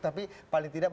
tapi paling tidak